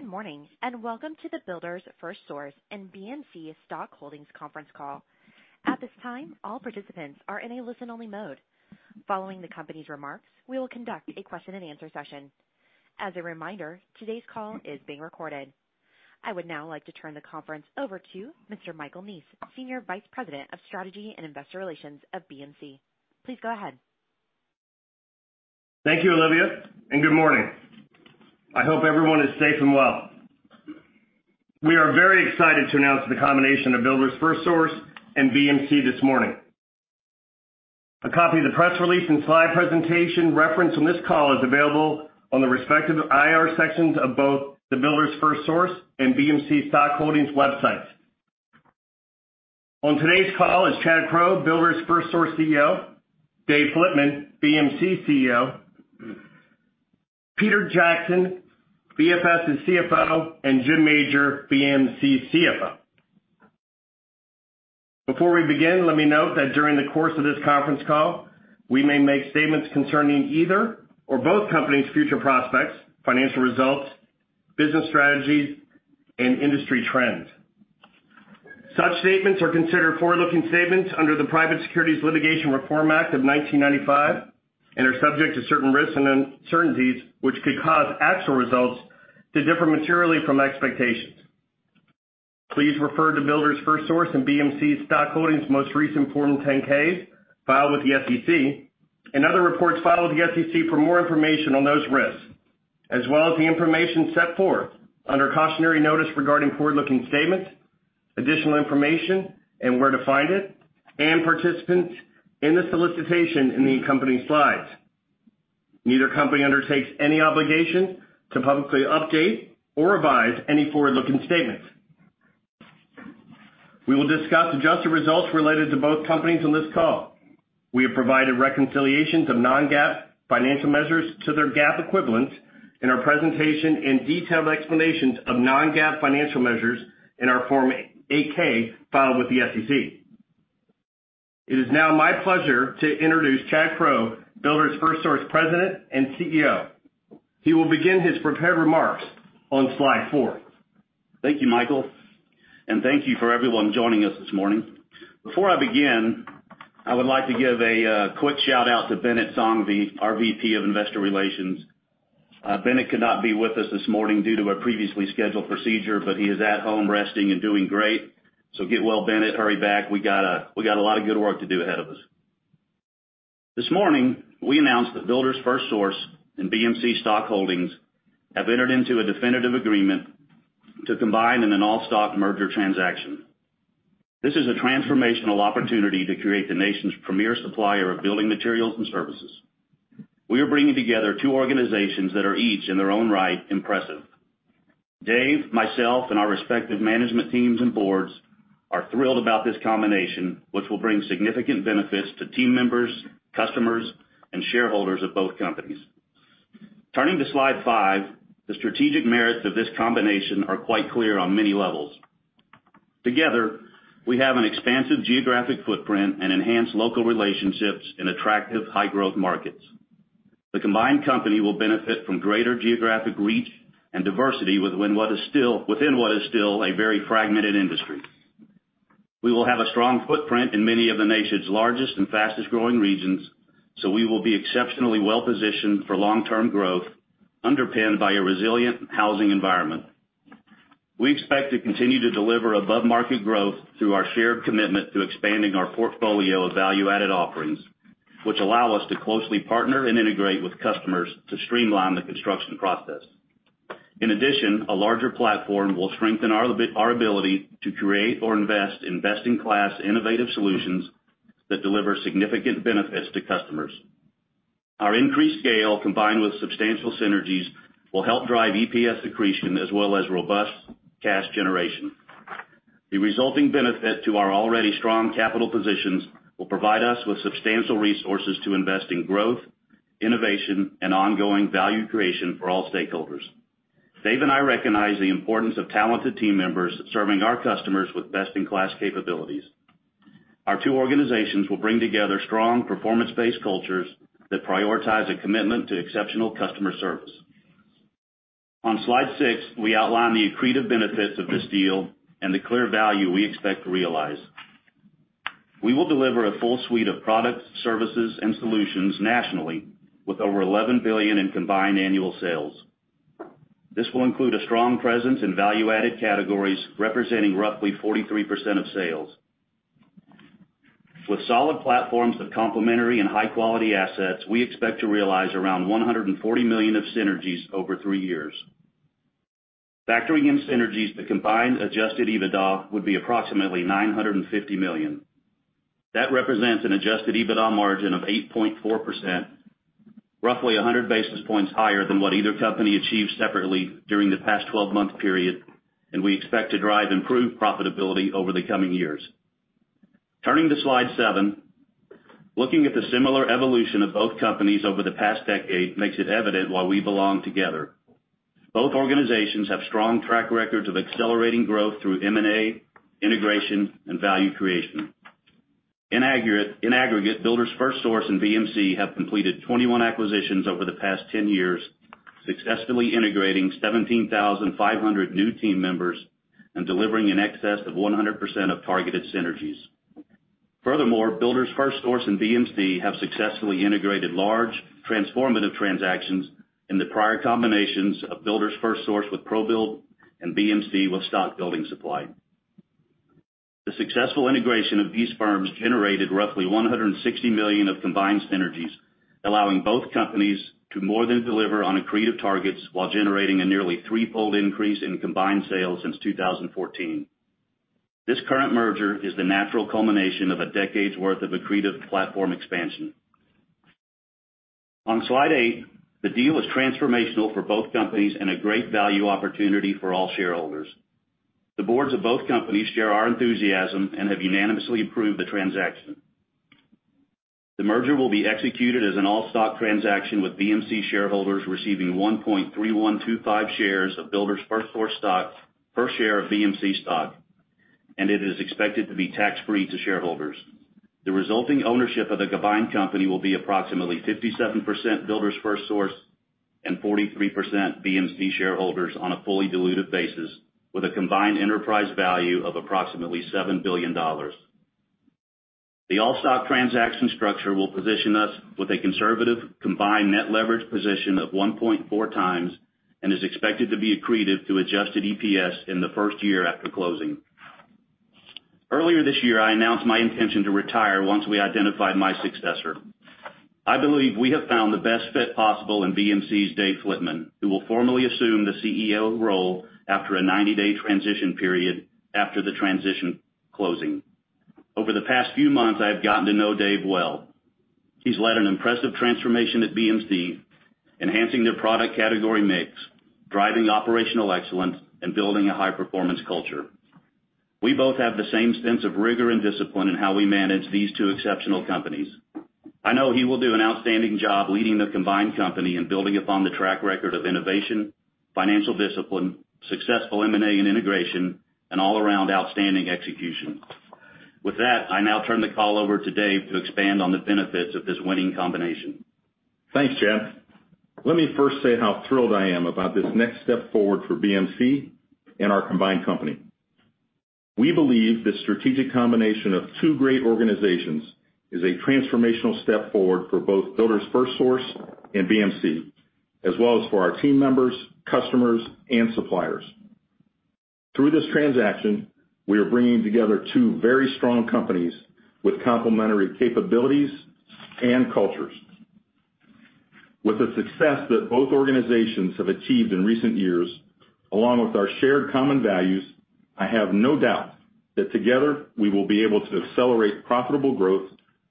Good morning, and welcome to the Builders FirstSource and BMC Stock Holdings conference call. At this time, all participants are in a listen-only mode. Following the company's remarks, we will conduct a question and answer session. As a reminder, today's call is being recorded. I would now like to turn the conference over to Mr. Michael Neese, Senior Vice President of Strategy and Investor Relations at BMC. Please go ahead. Thank you, Olivia, and good morning. I hope everyone is safe and well. We are very excited to announce the combination of Builders FirstSource and BMC this morning. A copy of the press release and slide presentation referenced on this call is available on the respective IR sections of both the Builders FirstSource and BMC Stock Holdings websites. On today's call is Chad Crow, Builders FirstSource CEO, Dave Flitman, BMC CEO, Peter Jackson, BFS's CFO, and Jim Major, BMC's CFO. Before we begin, let me note that during the course of this conference call, we may make statements concerning either or both companies' future prospects, financial results, business strategies, and industry trends. Such statements are considered forward-looking statements under the Private Securities Litigation Reform Act of 1995 and are subject to certain risks and uncertainties which could cause actual results to differ materially from expectations. Please refer to Builders FirstSource and BMC Stock Holdings' most recent Form 10-Ks filed with the SEC, and other reports filed with the SEC for more information on those risks, as well as the information set forth under cautionary notice regarding forward-looking statements, additional information and where to find it, and participants in the solicitation in the accompanying slides. Neither company undertakes any obligation to publicly update or revise any forward-looking statements. We will discuss adjusted results related to both companies on this call. We have provided reconciliations of non-GAAP financial measures to their GAAP equivalents in our presentation and detailed explanations of non-GAAP financial measures in our Form 8-K filed with the SEC. It is now my pleasure to introduce Chad Crow, Builders FirstSource President and CEO. He will begin his prepared remarks on slide four. Thank you, Michael. Thank you for everyone joining us this morning. Before I begin, I would like to give a quick shout-out to Binit Sanghvi, our VP of Investor Relations. Binit could not be with us this morning due to a previously scheduled procedure, but he is at home resting and doing great. Get well, Binit. Hurry back. We got a lot of good work to do ahead of us. This morning, we announced that Builders FirstSource and BMC Stock Holdings have entered into a definitive agreement to combine in an all-stock merger transaction. This is a transformational opportunity to create the nation's premier supplier of building materials and services. We are bringing together two organizations that are each, in their own right, impressive. Dave, myself, and our respective management teams and boards are thrilled about this combination, which will bring significant benefits to team members, customers, and shareholders of both companies. Turning to slide five, the strategic merits of this combination are quite clear on many levels. Together, we have an expansive geographic footprint and enhanced local relationships in attractive high-growth markets. The combined company will benefit from greater geographic reach and diversity within what is still a very fragmented industry. We will have a strong footprint in many of the nation's largest and fastest-growing regions, so we will be exceptionally well-positioned for long-term growth underpinned by a resilient housing environment. We expect to continue to deliver above-market growth through our shared commitment to expanding our portfolio of value-added offerings, which allow us to closely partner and integrate with customers to streamline the construction process. In addition, a larger platform will strengthen our ability to create or invest in best-in-class innovative solutions that deliver significant benefits to customers. Our increased scale, combined with substantial synergies, will help drive EPS accretion as well as robust cash generation. The resulting benefit to our already strong capital positions will provide us with substantial resources to invest in growth, innovation, and ongoing value creation for all stakeholders. Dave and I recognize the importance of talented team members serving our customers with best-in-class capabilities. Our two organizations will bring together strong performance-based cultures that prioritize a commitment to exceptional customer service. On slide six, we outline the accretive benefits of this deal and the clear value we expect to realize. We will deliver a full suite of products, services, and solutions nationally with over $11 billion in combined annual sales. This will include a strong presence in value-added categories representing roughly 43% of sales. With solid platforms of complementary and high-quality assets, we expect to realize around $140 million of synergies over three years. Factoring in synergies, the combined adjusted EBITDA would be approximately $950 million. That represents an adjusted EBITDA margin of 8.4%, roughly 100 basis points higher than what either company achieved separately during the past 12-month period, and we expect to drive improved profitability over the coming years. Turning to slide seven, looking at the similar evolution of both companies over the past decade makes it evident why we belong together. Both organizations have strong track records of accelerating growth through M&A, integration, and value creation. In aggregate, Builders FirstSource and BMC have completed 21 acquisitions over the past 10 years, successfully integrating 17,500 new team members and delivering in excess of 100% of targeted synergies. Furthermore, Builders FirstSource and BMC have successfully integrated large transformative transactions in the prior combinations of Builders FirstSource with ProBuild and BMC with Stock Building Supply. The successful integration of these firms generated roughly $160 million of combined synergies, allowing both companies to more than deliver on accretive targets while generating a nearly threefold increase in combined sales since 2014. This current merger is the natural culmination of a decade's worth of accretive platform expansion. On slide eight, the deal is transformational for both companies and a great value opportunity for all shareholders. The boards of both companies share our enthusiasm and have unanimously approved the transaction. The merger will be executed as an all-stock transaction, with BMC shareholders receiving 1.3125 shares of Builders FirstSource stock per share of BMC stock, and it is expected to be tax-free to shareholders. The resulting ownership of the combined company will be approximately 57% Builders FirstSource and 43% BMC shareholders on a fully diluted basis, with a combined enterprise value of approximately $7 billion. The all-stock transaction structure will position us with a conservative combined net leverage position of 1.4x and is expected to be accretive to adjusted EPS in the first year after closing. Earlier this year, I announced my intention to retire, once we identified my successor. I believe we have found the best fit possible in BMC's Dave Flitman, who will formally assume the CEO role after a 90-day transition period after the transition closing. Over the past few months, I have gotten to know Dave well. He's led an impressive transformation at BMC, enhancing their product category mix, driving operational excellence, and building a high-performance culture. We both have the same sense of rigor and discipline in how we manage these two exceptional companies. I know he will do an outstanding job leading the combined company and building upon the track record of innovation, financial discipline, successful M&A and integration, and all-around outstanding execution. With that, I now turn the call over to Dave to expand on the benefits of this winning combination. Thanks, Chad. Let me first say how thrilled I am about this next step forward for BMC and our combined company. We believe this strategic combination of two great organizations is a transformational step forward for both Builders FirstSource and BMC, as well as for our team members, customers, and suppliers. Through this transaction, we are bringing together two very strong companies with complementary capabilities and cultures. With the success that both organizations have achieved in recent years, along with our shared common values, I have no doubt that together we will be able to accelerate profitable growth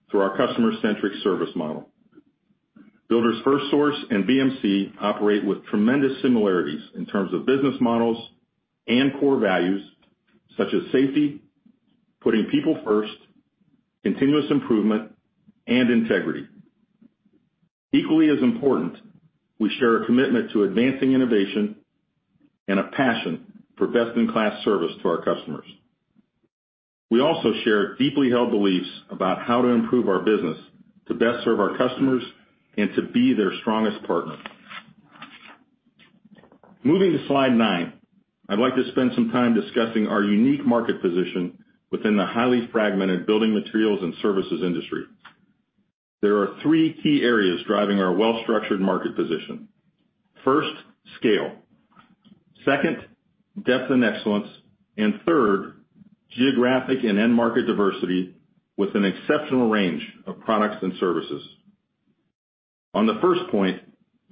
through our customer-centric service model. Builders FirstSource and BMC operate with tremendous similarities in terms of business models and core values such as safety, putting people first, continuous improvement, and integrity. Equally as important, we share a commitment to advancing innovation and a passion for best-in-class service to our customers. We also share deeply held beliefs about how to improve our business to best serve our customers and to be their strongest partner. Moving to slide nine, I'd like to spend some time discussing our unique market position within the highly fragmented building materials and services industry. There are three key areas driving our well-structured market position. First, scale. Second, depth and excellence, and third, geographic and end market diversity with an exceptional range of products and services. On the first point,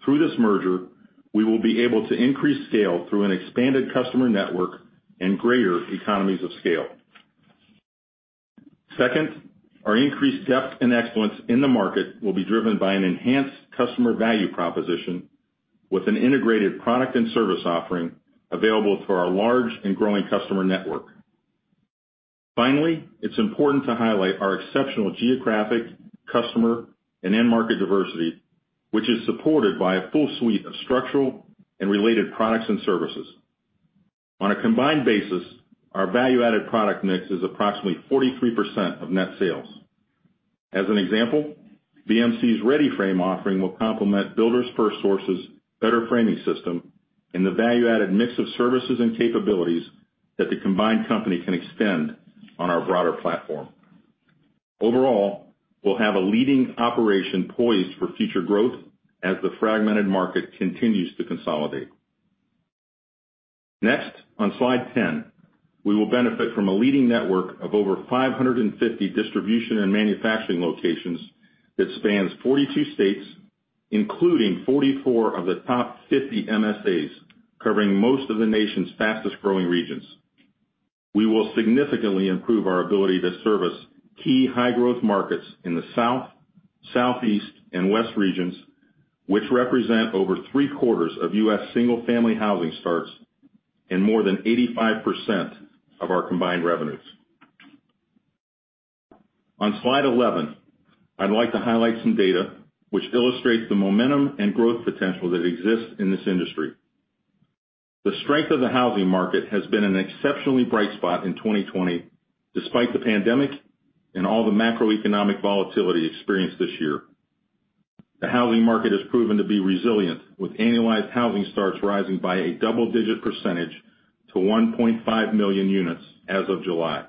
through this merger, we will be able to increase scale through an expanded customer network and greater economies of scale. Second, our increased depth and excellence in the market will be driven by an enhanced customer value proposition with an integrated product and service offering available through our large and growing customer network. Finally, it's important to highlight our exceptional geographic, customer, and end market diversity, which is supported by a full suite of structural and related products and services. On a combined basis, our value-added product mix is approximately 43% of net sales. As an example, BMC's READY-FRAME offering will complement Builders FirstSource's Better Framing System and the value-added mix of services and capabilities that the combined company can extend on our broader platform. Overall, we'll have a leading operation poised for future growth as the fragmented market continues to consolidate. Next, on slide 10, we will benefit from a leading network of over 550 distribution and manufacturing locations that spans 42 states, including 44 of the top 50 MSAs, covering most of the nation's fastest-growing regions. We will significantly improve our ability to service key high-growth markets in the south, southeast, and west regions, which represent over three-quarters of U.S. single-family housing starts and more than 85% of our combined revenues. On slide 11, I'd like to highlight some data which illustrates the momentum and growth potential that exists in this industry. The strength of the housing market has been an exceptionally bright spot in 2020, despite the pandemic and all the macroeconomic volatility experienced this year. The housing market has proven to be resilient, with annualized housing starts rising by a double-digit percentage to 1.5 million units as of July.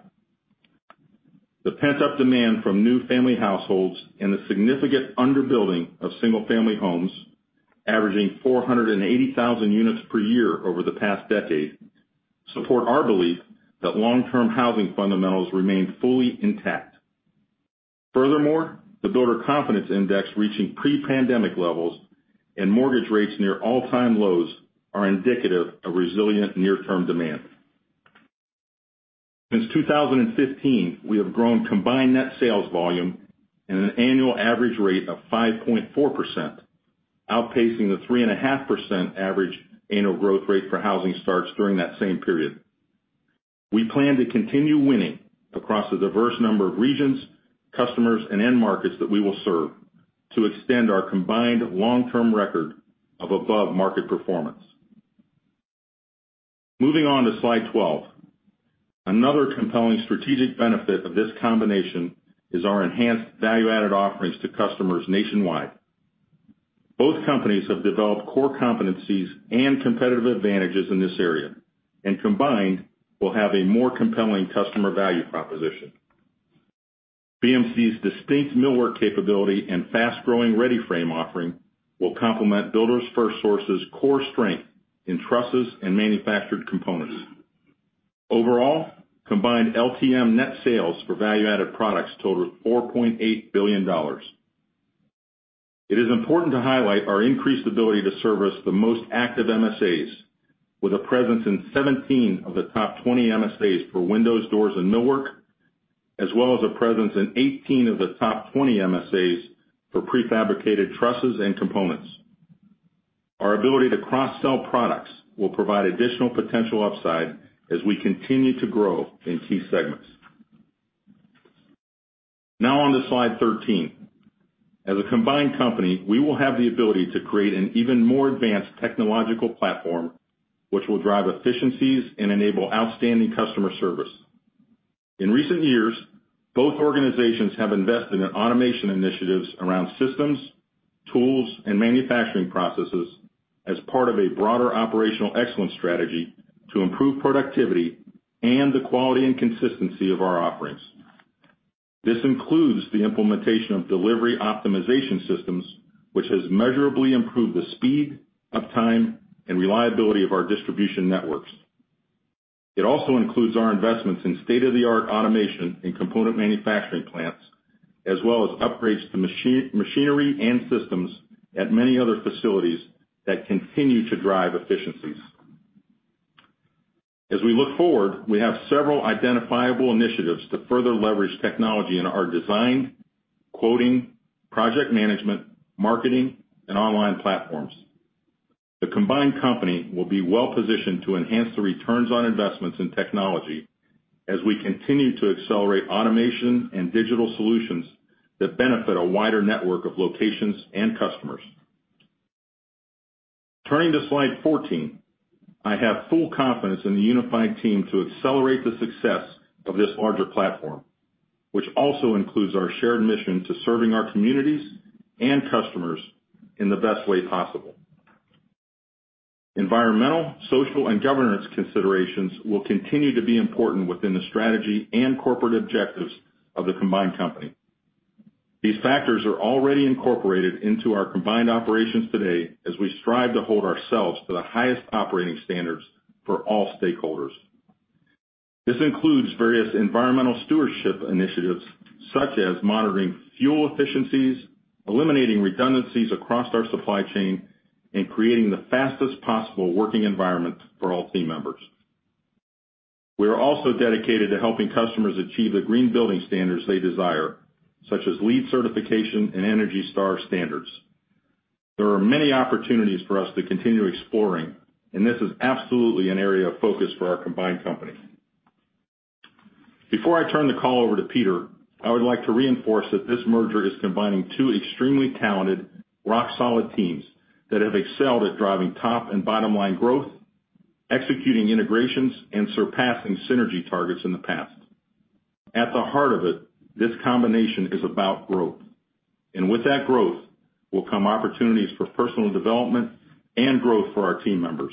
The pent-up demand from new family households and the significant under-building of single-family homes, averaging 480,000 units per year over the past decade, support our belief that long-term housing fundamentals remain fully intact. Furthermore, the Builder Confidence Index reaching pre-pandemic levels and mortgage rates near all-time lows are indicative of resilient near-term demand. Since 2015, we have grown combined net sales volume at an annual average rate of 5.4%, outpacing the 3.5% average annual growth rate for housing starts during that same period. We plan to continue winning across a diverse number of regions, customers, and end markets that we will serve to extend our combined long-term record of above-market performance. Moving on to slide 12. Another compelling strategic benefit of this combination is our enhanced value-added offerings to customers nationwide. Both companies have developed core competencies and competitive advantages in this area and combined will have a more compelling customer value proposition. BMC's distinct millwork capability and fast-growing READY-FRAME offering will complement Builders FirstSource's core strength in trusses and manufactured components. Overall, combined LTM net sales for value-added products totaled $4.8 billion. It is important to highlight our increased ability to service the most active MSAs with a presence in 17 of the top 20 MSAs for windows, doors, and millwork, as well as a presence in 18 of the top 20 MSAs for prefabricated trusses and components. Our ability to cross-sell products will provide additional potential upside as we continue to grow in key segments. Now on to slide 13. As a combined company, we will have the ability to create an even more advanced technological platform, which will drive efficiencies and enable outstanding customer service. In recent years, both organizations have invested in automation initiatives around systems, tools, and manufacturing processes as part of a broader operational excellence strategy to improve productivity and the quality and consistency of our offerings. This includes the implementation of delivery optimization systems, which has measurably improved the speed, uptime, and reliability of our distribution networks. It also includes our investments in state-of-the-art automation in component manufacturing plants, as well as upgrades to machinery and systems at many other facilities that continue to drive efficiencies. As we look forward, we have several identifiable initiatives to further leverage technology in our design, quoting, project management, marketing, and online platforms. The combined company will be well-positioned to enhance the returns on investments in technology as we continue to accelerate automation and digital solutions that benefit a wider network of locations and customers. Turning to slide 14. I have full confidence in the unified team to accelerate the success of this larger platform, which also includes our shared mission to serving our communities and customers in the best way possible. Environmental, social, and governance considerations will continue to be important within the strategy and corporate objectives of the combined company. These factors are already incorporated into our combined operations today as we strive to hold ourselves to the highest operating standards for all stakeholders. This includes various environmental stewardship initiatives, such as monitoring fuel efficiencies, eliminating redundancies across our supply chain, and creating the fastest possible working environment for all team members. We are also dedicated to helping customers achieve the green building standards they desire, such as LEED certification and ENERGY STAR standards. There are many opportunities for us to continue exploring, and this is absolutely an area of focus for our combined company. Before I turn the call over to Peter, I would like to reinforce that this merger is combining two extremely talented, rock-solid teams that have excelled at driving top and bottom-line growth, executing integrations, and surpassing synergy targets in the past. At the heart of it, this combination is about growth. With that growth will come opportunities for personal development and growth for our team members.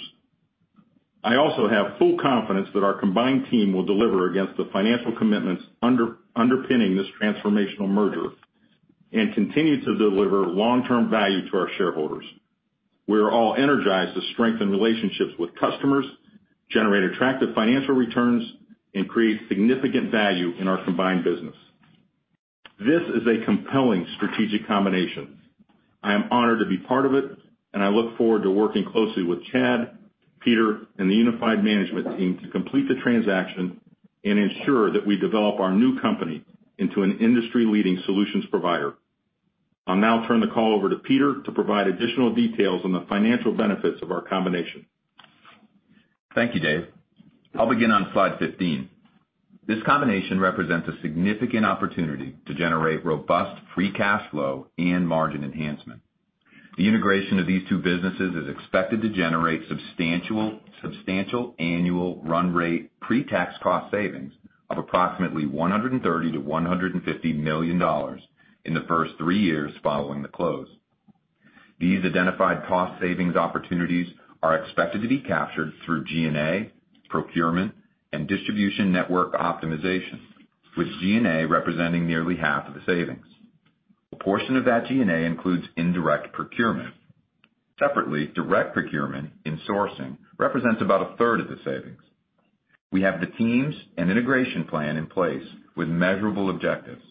I also have full confidence that our combined team will deliver against the financial commitments underpinning this transformational merger and continue to deliver long-term value to our shareholders. We are all energized to strengthen relationships with customers, generate attractive financial returns, and create significant value in our combined business. This is a compelling strategic combination. I am honored to be part of it, and I look forward to working closely with Chad, Peter, and the unified management team to complete the transaction and ensure that we develop our new company into an industry-leading solutions provider. I'll now turn the call over to Peter to provide additional details on the financial benefits of our combination. Thank you, Dave. I'll begin on slide 15. This combination represents a significant opportunity to generate robust free cash flow and margin enhancement. The integration of these two businesses is expected to generate substantial annual run rate pre-tax cost savings of approximately $130 million-$150 million in the first three years following the close. These identified cost savings opportunities are expected to be captured through G&A, procurement, and distribution network optimization, with G&A representing nearly half of the savings. A portion of that G&A includes indirect procurement. Separately, direct procurement in sourcing represents about a third of the savings. We have the teams and integration plan in place with measurable objectives.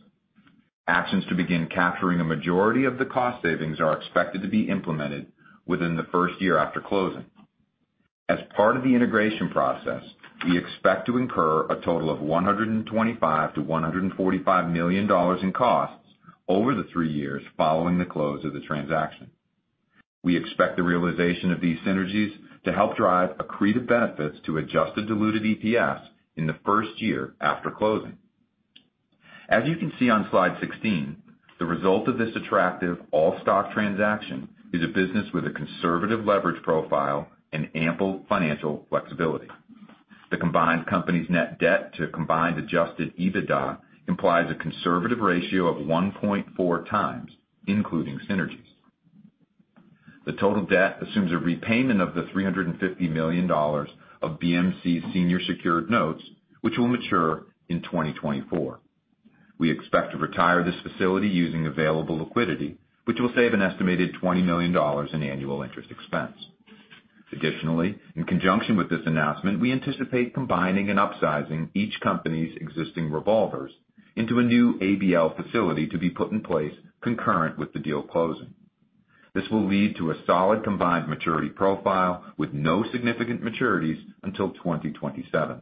Actions to begin capturing a majority of the cost savings are expected to be implemented within the first year after closing. As part of the integration process, we expect to incur a total of $125 million-$145 million in costs over the three years following the close of the transaction. We expect the realization of these synergies to help drive accretive benefits to adjusted diluted EPS in the first year after closing. As you can see on slide 16, the result of this attractive all-stock transaction is a business with a conservative leverage profile and ample financial flexibility. The combined company's net debt to combined adjusted EBITDA implies a conservative ratio of 1.4x, including synergies. The total debt assumes a repayment of the $350 million of BMC senior secured notes, which will mature in 2024. We expect to retire this facility using available liquidity, which will save an estimated $20 million in annual interest expense. Additionally, in conjunction with this announcement, we anticipate combining and upsizing each company's existing revolvers into a new ABL facility to be put in place concurrent with the deal closing. This will lead to a solid combined maturity profile with no significant maturities until 2027.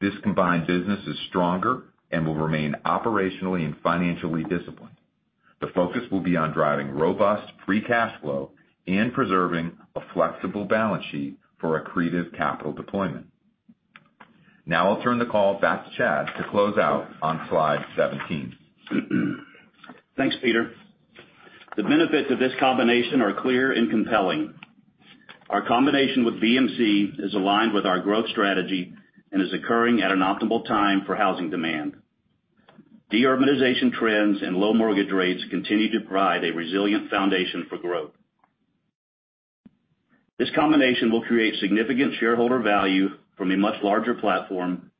This combined business is stronger and will remain operationally and financially disciplined. The focus will be on driving robust free cash flow and preserving a flexible balance sheet for accretive capital deployment. Now I'll turn the call back to Chad to close out on slide 17. Thanks, Peter. The benefits of this combination are clear and compelling. Our combination with BMC is aligned with our growth strategy and is occurring at an optimal time for housing demand. De-urbanization trends and low mortgage rates continue to provide a resilient foundation for growth. This combination will create significant shareholder value from a much larger platform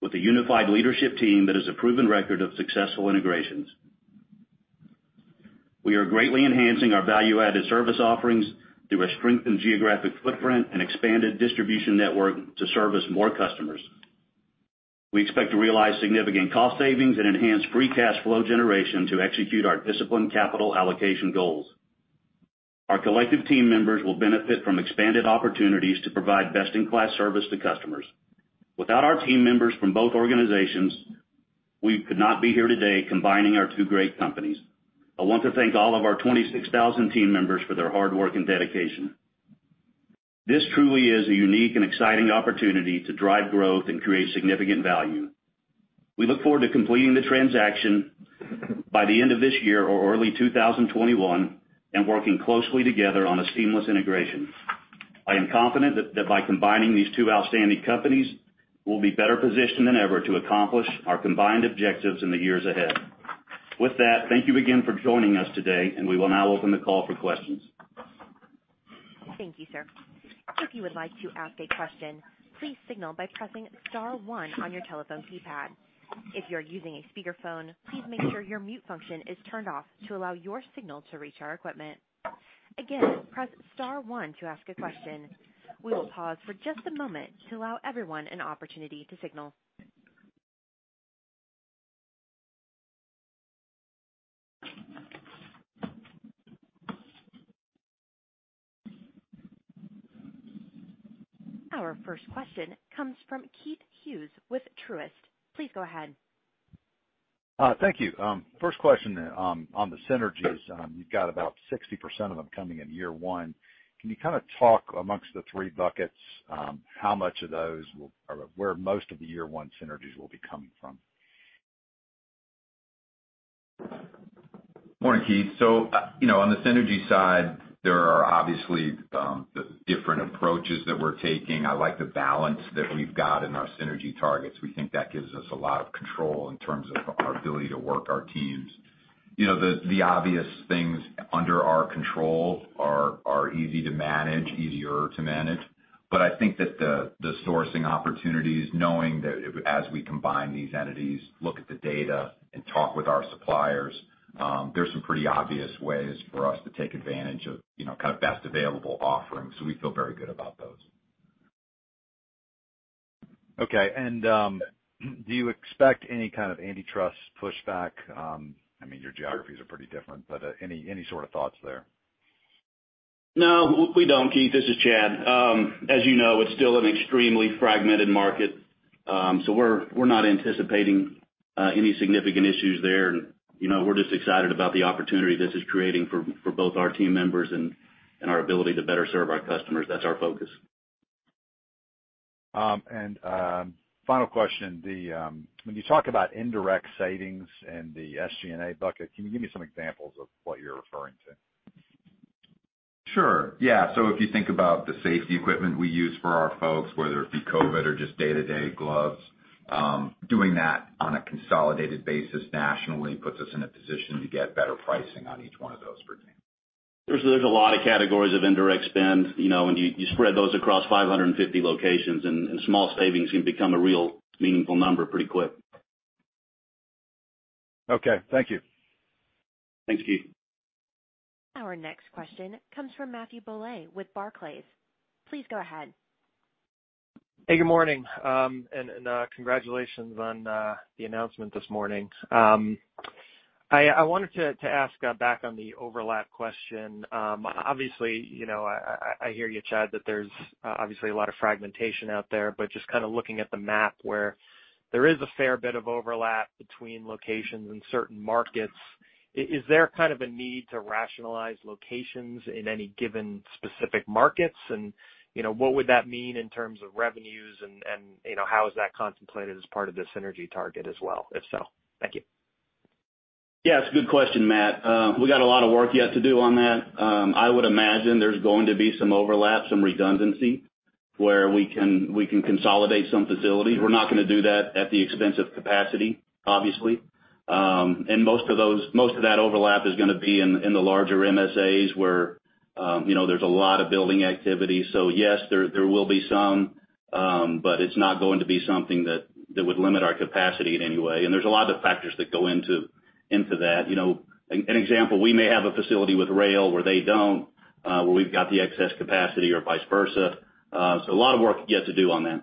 with a unified leadership team that has a proven record of successful integrations. We are greatly enhancing our value-added service offerings through a strengthened geographic footprint and expanded distribution network to service more customers. We expect to realize significant cost savings and enhance free cash flow generation to execute our disciplined capital allocation goals. Our collective team members will benefit from expanded opportunities to provide best-in-class service to customers. Without our team members from both organizations, we could not be here today combining our two great companies. I want to thank all of our 26,000 team members for their hard work and dedication. This truly is a unique and exciting opportunity to drive growth and create significant value. We look forward to completing the transaction by the end of this year or early 2021 and working closely together on a seamless integration. I am confident that by combining these two outstanding companies, we'll be better positioned than ever to accomplish our combined objectives in the years ahead. With that, thank you again for joining us today and we will now open the call for questions. Thank you, sir. If you would like to ask a question, please signal by pressing star one on your telephone keypad. If you are using a speakerphone, please make sure your mute function is turned off to allow your signal to reach our equipment. Again, press star one to ask a question. We will pause for just a moment to allow everyone an opportunity to signal. Our first question comes from Keith Hughes with Truist. Please go ahead. Thank you. First question on the synergies. You've got about 60% of them coming in year one. Can you kind of talk amongst the three buckets, how much of those will or where most of the year one synergies will be coming from? Morning, Keith. On the synergy side, there are obviously the different approaches that we're taking. I like the balance that we've got in our synergy targets. We think that gives us a lot of control in terms of our ability to work our teams. The obvious things under our control are easier to manage. I think that the sourcing opportunities, knowing that as we combine these entities, look at the data and talk with our suppliers, there's some pretty obvious ways for us to take advantage of best available offerings. We feel very good about those. Okay. Do you expect any kind of antitrust pushback? Your geographies are pretty different, but any sort of thoughts there? No. We don't, Keith. This is Chad. As you know, it's still an extremely fragmented market. We're not anticipating any significant issues there. We're just excited about the opportunity this is creating for both our team members and our ability to better serve our customers. That's our focus. Final question, when you talk about indirect savings in the SG&A bucket, can you give me some examples of what you're referring to? Sure. Yeah. If you think about the safety equipment we use for our folks, whether it be COVID or just day-to-day gloves, doing that on a consolidated basis nationally puts us in a position to get better pricing on each one of those, for example. There's a lot of categories of indirect spend, and you spread those across 550 locations, and small savings can become a real meaningful number pretty quick. Okay. Thank you. Thanks, Keith. Our next question comes from Matthew Bouley with Barclays. Please go ahead. Hey, good morning, and congratulations on the announcement this morning. I wanted to ask back on the overlap question. Obviously, I hear you, Chad, that there's obviously a lot of fragmentation out there, but just kind of looking at the map where there is a fair bit of overlap between locations and certain markets, is there kind of a need to rationalize locations in any given specific markets? What would that mean in terms of revenues and how is that contemplated as part of the synergy target as well, if so? Thank you. Yeah, it's a good question, Matt. We got a lot of work yet to do on that. I would imagine there's going to be some overlap, some redundancy where we can consolidate some facilities. We're not going to do that at the expense of capacity, obviously. Most of that overlap is going to be in the larger MSAs where there's a lot of building activity. Yes, there will be some, but it's not going to be something that would limit our capacity in any way. There's a lot of factors that go into that. An example, we may have a facility with rail where they don't, where we've got the excess capacity or vice versa. A lot of work yet to do on that.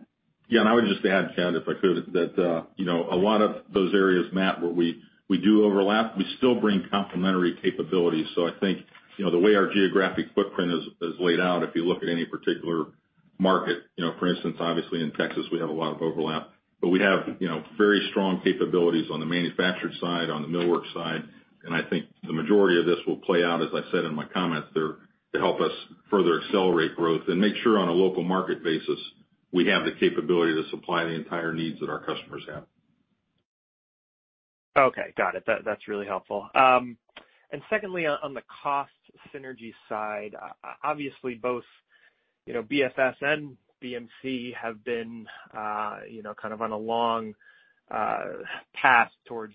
Yeah, I would just add, Chad, if I could, that a lot of those areas, Matt, where we do overlap, we still bring complementary capabilities. I think the way our geographic footprint is laid out, if you look at any particular market, for instance, obviously in Texas, we have a lot of overlap, but we have very strong capabilities on the manufactured side, on the millwork side, and I think the majority of this will play out, as I said in my comments there, to help us further accelerate growth and make sure on a local market basis, we have the capability to supply the entire needs that our customers have. Okay, got it. That's really helpful. Secondly, on the cost synergy side, obviously both BFS and BMC have been kind of on a long path towards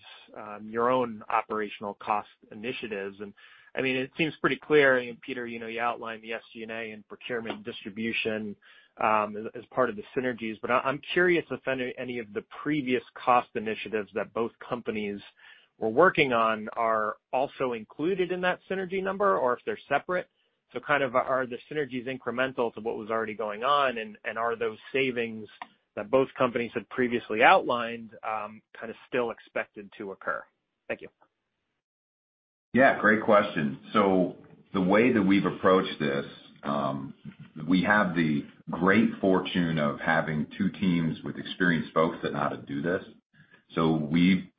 your own operational cost initiatives. It seems pretty clear, and Peter, you outlined the SG&A and procurement distribution as part of the synergies, but I'm curious if any of the previous cost initiatives that both companies were working on are also included in that synergy number or if they're separate. Kind of are the synergies incremental to what was already going on, and are those savings that both companies had previously outlined kind of still expected to occur? Thank you. Yeah, great question. The way that we've approached this, we have the great fortune of having two teams with experienced folks that know how to do this. We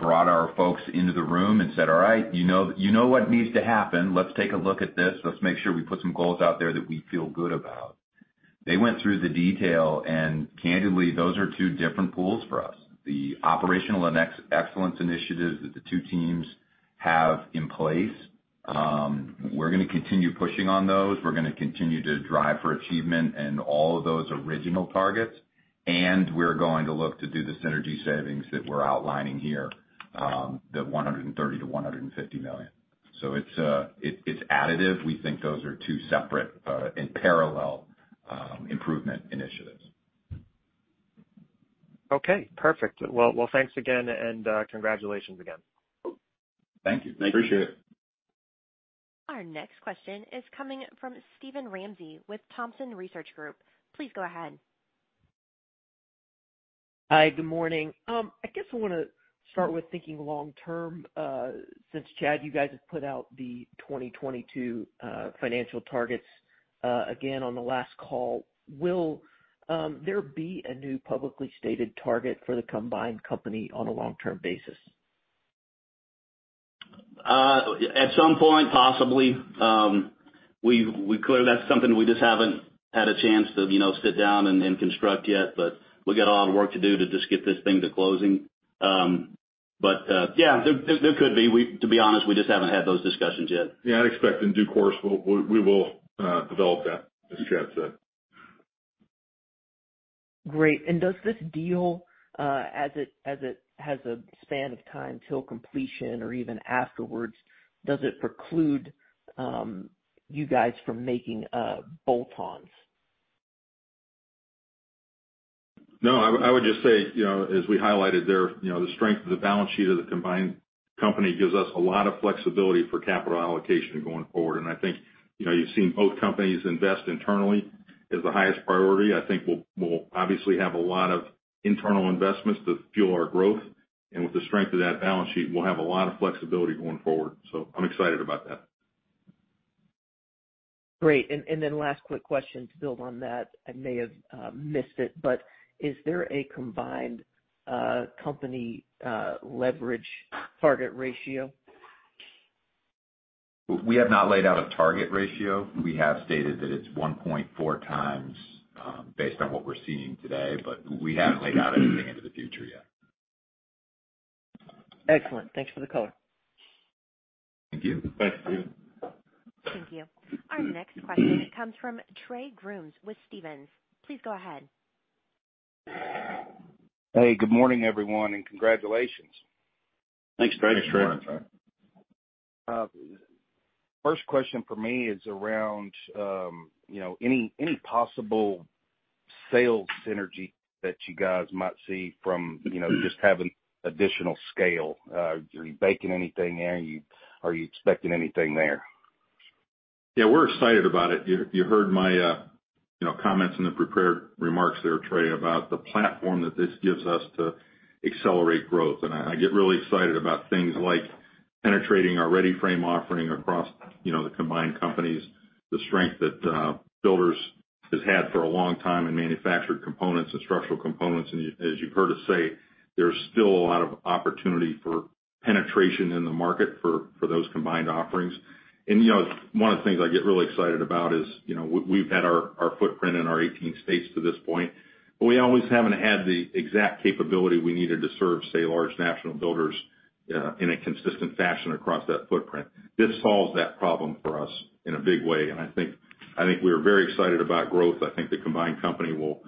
brought our folks into the room and said, All right, you know what needs to happen. Let's take a look at this. Let's make sure we put some goals out there that we feel good about. They went through the detail, and candidly, those are two different pools for us. The operational and excellence initiatives that the two teams have in place, we're going to continue pushing on those. We're going to continue to drive for achievement and all of those original targets. We're going to look to do the synergy savings that we're outlining here, the $130 million-$150 million. It's additive. We think those are two separate and parallel improvement initiatives. Okay, perfect. Thanks again, and congratulations again. Thank you. Appreciate it. Our next question is coming from Steven Ramsey with Thompson Research Group. Please go ahead. Hi, good morning. I guess I want to start with thinking long term, since Chad, you guys have put out the 2022 financial targets again on the last call. Will there be a new publicly stated target for the combined company on a long-term basis? At some point, possibly. That's something we just haven't had a chance to sit down and construct yet. We've got a lot of work to do to just get this thing to closing. Yeah, there could be. To be honest, we just haven't had those discussions yet. Yeah, I'd expect in due course, we will develop that, as Chad said. Does this deal, as it has a span of time till completion or even afterwards, does it preclude you guys from making bolt-ons? No, I would just say, as we highlighted there, the strength of the balance sheet of the combined company gives us a lot of flexibility for capital allocation going forward. I think you've seen both companies invest internally as the highest priority. I think we'll obviously have a lot of internal investments to fuel our growth, and with the strength of that balance sheet, we'll have a lot of flexibility going forward. I'm excited about that. Great. Last quick question to build on that, I may have missed it, but is there a combined company leverage target ratio? We have not laid out a target ratio. We have stated that it's 1.4x, based on what we're seeing today, we haven't laid out anything into the future yet. Excellent. Thanks for the color. Thank you. Thanks, Steven. Thank you. Our next question comes from Trey Grooms with Stephens. Please go ahead. Hey, good morning, everyone, and congratulations. Thanks, Trey. Thanks, Trey. First question for me is around any possible sales synergy that you guys might see from just having additional scale. Are you baking anything in? Are you expecting anything there? Yeah, we're excited about it. You heard my comments in the prepared remarks there, Trey, about the platform that this gives us to accelerate growth. I get really excited about things like penetrating our READY-FRAME offering across the combined companies, the strength that Builders has had for a long time in manufactured components and structural components. As you've heard us say, there's still a lot of opportunity for penetration in the market for those combined offerings. One of the things I get really excited about is, we've had our footprint in our 18 states to this point, but we always haven't had the exact capability we needed to serve, say, large national builders in a consistent fashion across that footprint. This solves that problem for us in a big way, and I think we're very excited about growth. I think the combined company will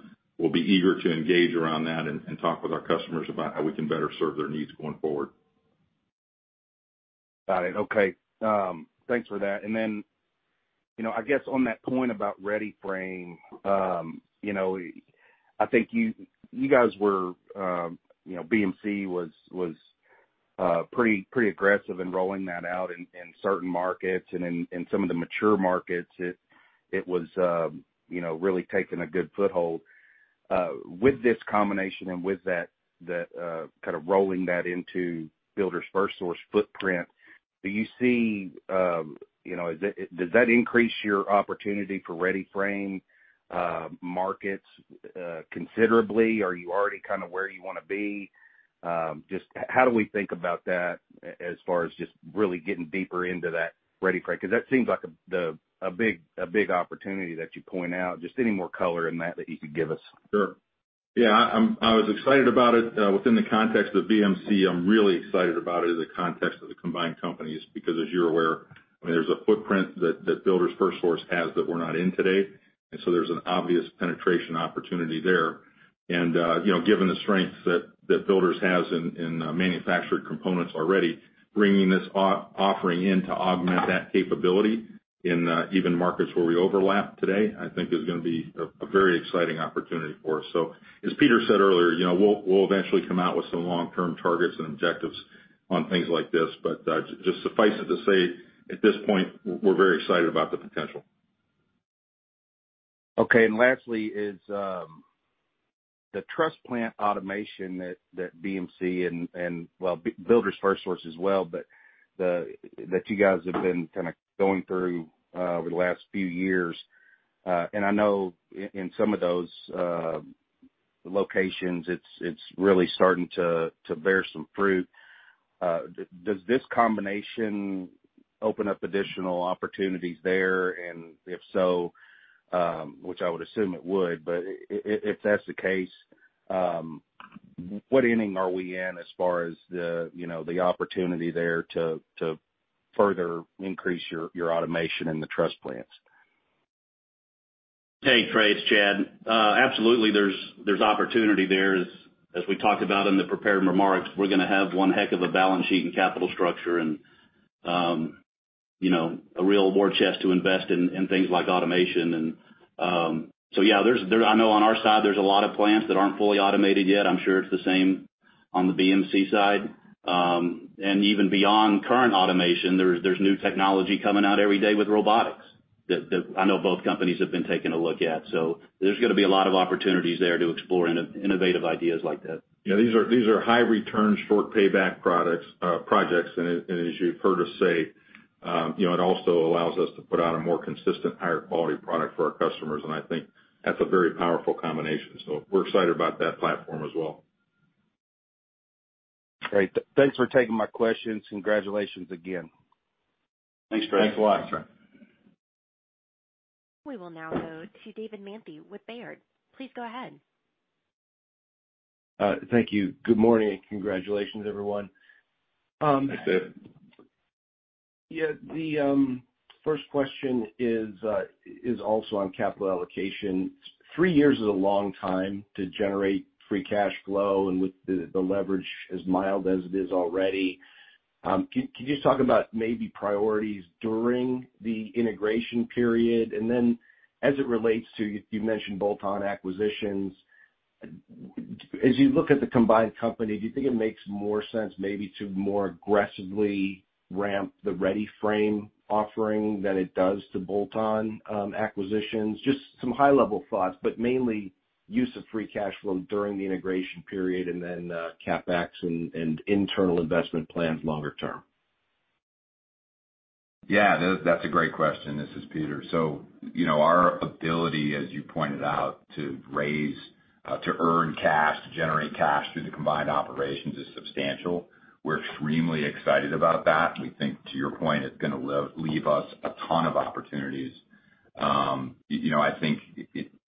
be eager to engage around that and talk with our customers about how we can better serve their needs going forward. Got it. Okay. Thanks for that. Then, I guess on that point about READY-FRAME, I think you guys were, BMC was pretty aggressive in rolling that out in certain markets and in some of the mature markets. It was really taking a good foothold. With this combination and with that kind of rolling that into Builders FirstSource footprint, do you see, does that increase your opportunity for READY-FRAME markets considerably? Are you already kind of where you want to be? Just how do we think about that as far as just really getting deeper into that READY-FRAME? Because that seems like a big opportunity that you point out. Just any more color in that you could give us. Sure. Yeah, I was excited about it within the context of BMC. I'm really excited about it in the context of the combined companies, because as you're aware, there's a footprint that Builders FirstSource has that we're not in today. There's an obvious penetration opportunity there. Given the strength that Builders has in manufactured components already, bringing this offering in to augment that capability in even markets where we overlap today, I think is going to be a very exciting opportunity for us. As Peter said earlier, we'll eventually come out with some long-term targets and objectives on things like this. Just suffice it to say, at this point, we're very excited about the potential. Okay. Lastly, is the truss plant automation that BMC and, well, Builders FirstSource as well, but that you guys have been kind of going through over the last few years. I know in some of those locations, it's really starting to bear some fruit. Does this combination open up additional opportunities there? If so, which I would assume it would, but if that's the case, what inning are we in as far as the opportunity there to further increase your automation in the truss plants? Hey, Trey, it's Chad. Absolutely, there's opportunity there. As we talked about in the prepared remarks, we're going to have one heck of a balance sheet and capital structure and a real war chest to invest in things like automation. Yeah, I know on our side, there's a lot of plants that aren't fully automated yet. I'm sure it's the same on the BMC side. Even beyond current automation, there's new technology coming out every day with robotics that I know both companies have been taking a look at. There's going to be a lot of opportunities there to explore innovative ideas like that. Yeah, these are high return, short payback projects. As you've heard us say, it also allows us to put out a more consistent, higher quality product for our customers. I think that's a very powerful combination. We're excited about that platform as well. Great. Thanks for taking my questions. Congratulations again. Thanks, Trey. Thanks a lot, Trey. We will now go to David Manthey with Baird. Please go ahead. Thank you. Good morning, and congratulations, everyone. Thanks, David. Yeah, the first question is also on capital allocation. Three years is a long time to generate free cash flow and with the leverage as mild as it is already. Can you just talk about maybe priorities during the integration period? As it relates to, you mentioned bolt-on acquisitions. As you look at the combined company, do you think it makes more sense maybe to more aggressively ramp the READY-FRAME offering than it does to bolt-on acquisitions? Just some high-level thoughts, but mainlyUse of free cash flow during the integration period and then CapEx and internal investment plans longer term. Yeah, that's a great question. This is Peter. Our ability, as you pointed out, to raise, to earn cash, to generate cash through the combined operations is substantial. We're extremely excited about that. We think, to your point, it's going to leave us a ton of opportunities. I think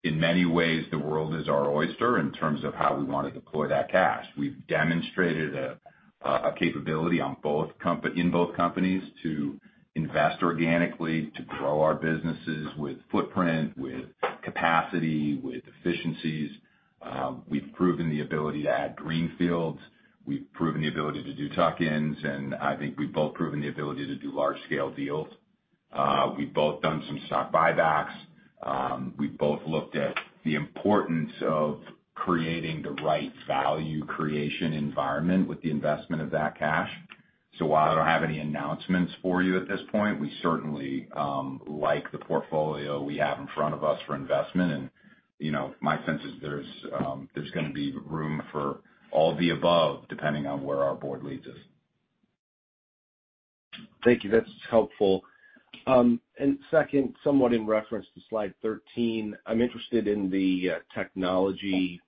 in many ways the world is our oyster in terms of how we want to deploy that cash. We've demonstrated a capability in both companies to invest organically, to grow our businesses with footprint, with capacity, with efficiencies. We've proven the ability to add greenfields. We've proven the ability to do tuck-ins, I think we've both proven the ability to do large-scale deals. We've both done some stock buybacks. We've both looked at the importance of creating the right value creation environment with the investment of that cash. While I don't have any announcements for you at this point, we certainly like the portfolio we have in front of us for investment. My sense is there's going to be room for all the above, depending on where our board leads us. Thank you. That's helpful. Second, somewhat in reference to slide 13, I'm interested in the technology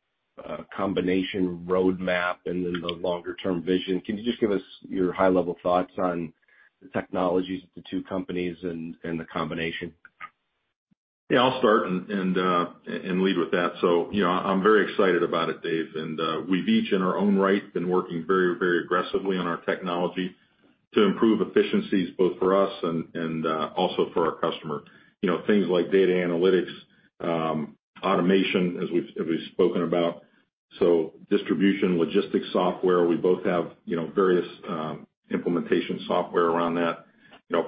combination roadmap and then the longer-term vision. Can you just give us your high-level thoughts on the technologies of the two companies and the combination? Yeah, I'll start and lead with that. I'm very excited about it, Dave. We've each, in our own right, been working very aggressively on our technology to improve efficiencies, both for us and also for our customer. Things like data analytics, automation, as we've spoken about. Distribution logistics software, we both have various implementation software around that.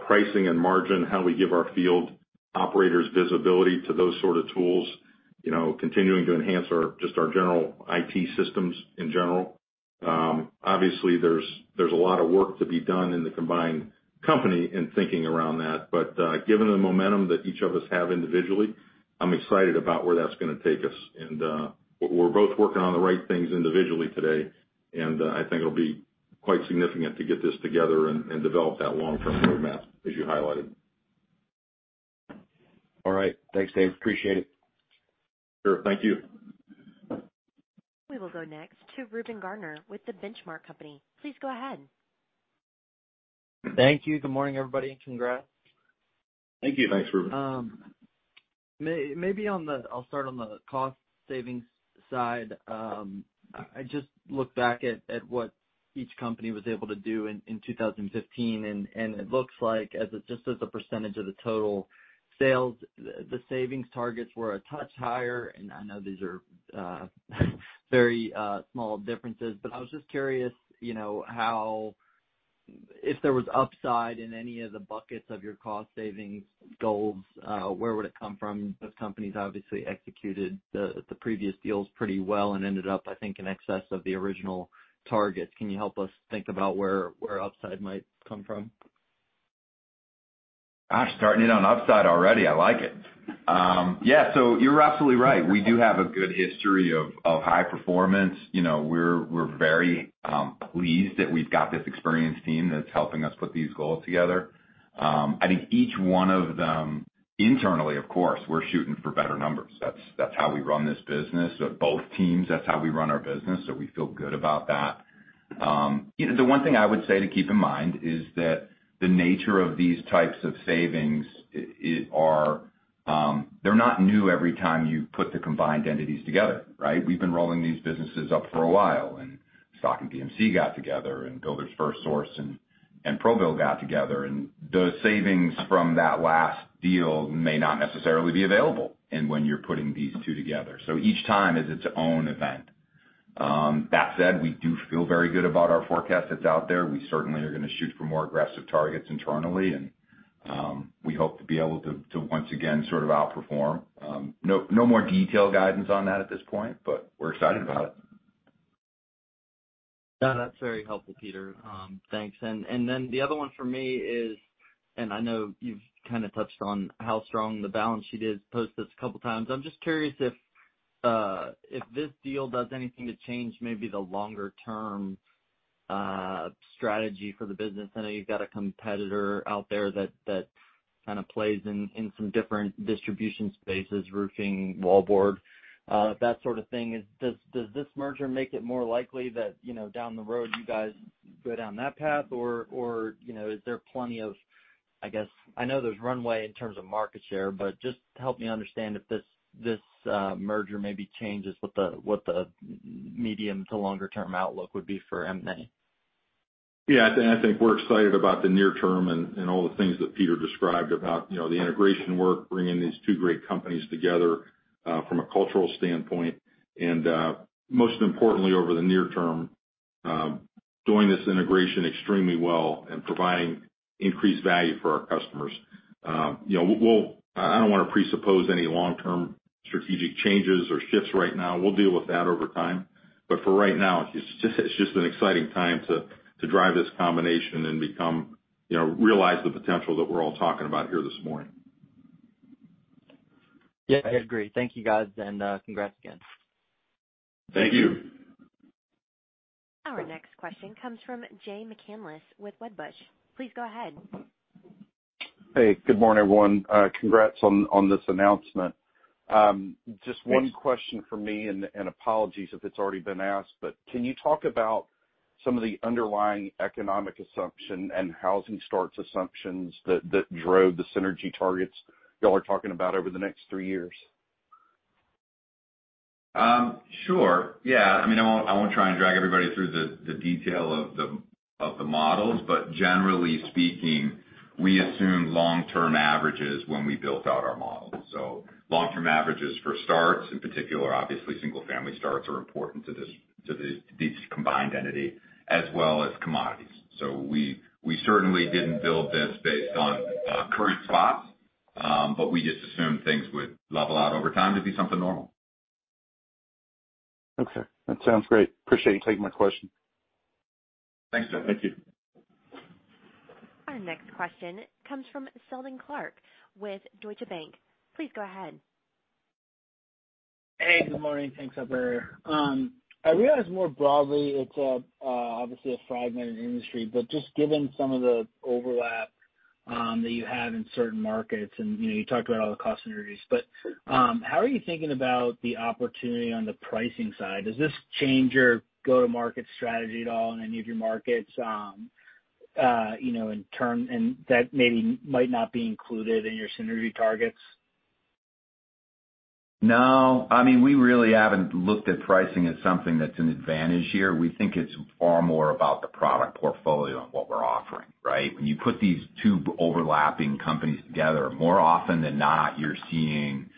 Pricing and margin, how we give our field operators visibility to those sort of tools, continuing to enhance just our general IT systems in general. Obviously, there's a lot of work to be done in the combined company in thinking around that. Given the momentum that each of us have individually, I'm excited about where that's going to take us. We're both working on the right things individually today, and I think it'll be quite significant to get this together and develop that long-term roadmap, as you highlighted. All right. Thanks, Dave. Appreciate it. Sure. Thank you. We will go next to Reuben Garner with The Benchmark Company. Please go ahead. Thank you. Good morning, everybody, and congrats. Thank you. Thanks, Reuben. Maybe I'll start on the cost savings side. I just looked back at what each company was able to do in 2015, and it looks like, just as a percent of the total sales, the savings targets were a touch higher. I know these are very small differences, but I was just curious if there was upside in any of the buckets of your cost savings goals, where would it come from? Both companies obviously executed the previous deals pretty well and ended up, I think, in excess of the original targets. Can you help us think about where upside might come from? Gosh, starting it on upside already. I like it. Yeah. You're absolutely right. We do have a good history of high performance. We're very pleased that we've got this experienced team that's helping us put these goals together. I think each one of them internally, of course, we're shooting for better numbers. That's how we run this business. At both teams, that's how we run our business, so we feel good about that. The one thing I would say to keep in mind is that the nature of these types of savings, they're not new every time you put the combined entities together, right? We've been rolling these businesses up for a while. Stock and BMC got together, and Builders FirstSource and ProBuild got together. The savings from that last deal may not necessarily be available when you're putting these two together. Each time is its own event. That said, we do feel very good about our forecast that's out there. We certainly are going to shoot for more aggressive targets internally, and we hope to be able to once again sort of outperform. No more detail guidance on that at this point, but we're excited about it. No, that's very helpful, Peter. Thanks. The other one for me is, and I know you've kind of touched on how strong the balance sheet is post this a couple times. I'm just curious if this deal does anything to change maybe the longer-term strategy for the business. I know you've got a competitor out there that kind of plays in some different distribution spaces, roofing, wall board, that sort of thing. Does this merger make it more likely that down the road you guys go down that path? Is there plenty of, I guess, I know there's runway in terms of market share, but just help me understand if this merger maybe changes what the medium to longer-term outlook would be for M&A. Yeah, I think we're excited about the near term and all the things that Peter described about the integration work, bringing these two great companies together from a cultural standpoint. Most importantly over the near term, doing this integration extremely well and providing increased value for our customers. I don't want to presuppose any long-term strategic changes or shifts right now. We'll deal with that over time. For right now, it's just an exciting time to drive this combination and realize the potential that we're all talking about here this morning. Yes, I agree. Thank you, guys, and congrats again. Thank you. Our next question comes from Jay McCanless with Wedbush. Please go ahead. Hey, good morning, everyone. Congrats on this announcement. Just one question from me. Apologies if it's already been asked, but can you talk about some of the underlying economic assumption and housing starts assumptions that drove the synergy targets you all are talking about over the next three years? Sure. Yeah. I won't try and drag everybody through the detail of the models, but generally speaking, we assumed long-term averages when we built out our models. Long-term averages for starts, in particular, obviously single-family starts are important to this combined entity, as well as commodities. We certainly didn't build this based on current spots, but we just assumed things would level out over time to be something normal. Okay. That sounds great. Appreciate you taking my question. Thanks, Jay. Thank you. Our next question comes from Seldon Clarke with Deutsche Bank. Please go ahead. Hey, good morning. Thanks, operator. I realize more broadly it's obviously a fragmented industry, but just given some of the overlap that you have in certain markets, and you talked about all the cost synergies, but how are you thinking about the opportunity on the pricing side? Does this change your go-to-market strategy at all in any of your markets that maybe might not be included in your synergy targets? No. We really haven't looked at pricing as something that's an advantage here. We think it's far more about the product portfolio and what we're offering. Right? When you put these two overlapping companies together, more often than not, you're seeing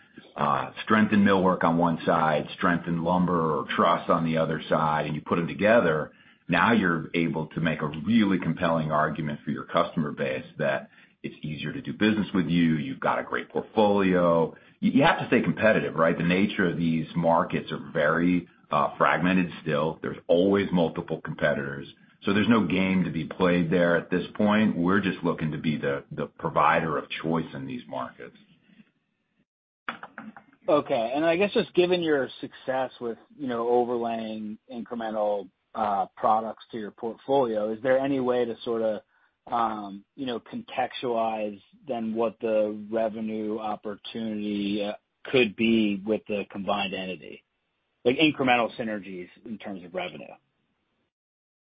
strength in millwork on one side, strength in lumber or truss on the other side, and you put them together, now you're able to make a really compelling argument for your customer base that it's easier to do business with you. You've got a great portfolio. You have to stay competitive, right? The nature of these markets are very fragmented still. There's always multiple competitors, so there's no game to be played there at this point. We're just looking to be the provider of choice in these markets. Okay. I guess just given your success with overlaying incremental products to your portfolio, is there any way to sort of contextualize then what the revenue opportunity could be with the combined entity? Like incremental synergies in terms of revenue.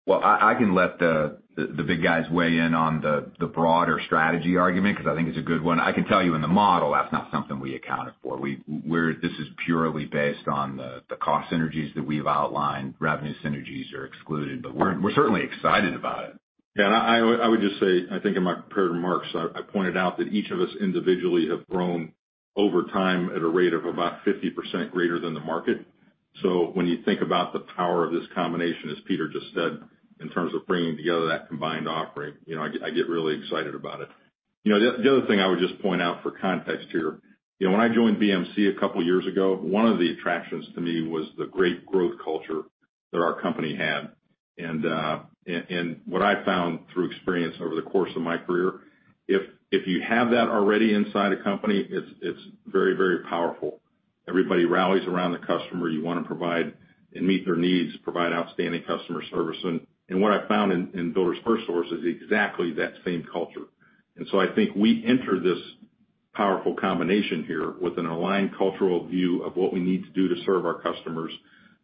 Well, I can let the big guys weigh in on the broader strategy argument because I think it's a good one. I can tell you in the model, that's not something we accounted for. This is purely based on the cost synergies that we've outlined. Revenue synergies are excluded, but we're certainly excited about it. Yeah. I would just say, I think in my prepared remarks, I pointed out that each of us individually have grown over time at a rate of about 50% greater than the market. When you think about the power of this combination, as Peter just said, in terms of bringing together that combined offering, I get really excited about it. The other thing I would just point out for context here, when I joined BMC a couple of years ago, one of the attractions to me was the great growth culture that our company had. What I found through experience over the course of my career, if you have that already inside a company, it's very powerful. Everybody rallies around the customer. You want to provide and meet their needs, provide outstanding customer service. What I found in Builders FirstSource is exactly that same culture. I think we enter this powerful combination here with an aligned cultural view of what we need to do to serve our customers,